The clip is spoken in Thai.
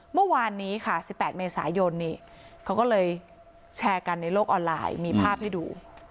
เมื่อวานนี้ค่ะ๑๘เมษายนนี่เขาก็เลยแชร์กันในโลกออนไลน์มีภาพให้ดู